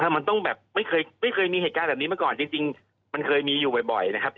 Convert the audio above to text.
มันต้องแบบไม่เคยมีเหตุการณ์แบบนี้มาก่อนจริงมันเคยมีอยู่บ่อยนะครับ